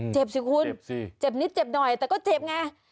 เจ็บสิคุณเจ็บนิดเจ็บหน่อยแต่ก็เจ็บไง